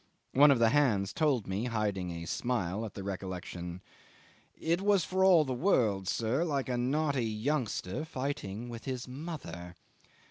One of the hands told me, hiding a smile at the recollection, "It was for all the world, sir, like a naughty youngster fighting with his mother."